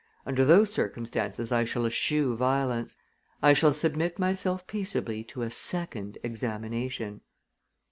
Under those circumstances I shall eschew violence. I shall submit myself peaceably to a second examination."